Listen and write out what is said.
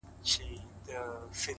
زما خوله كي شپېلۍ اشنا،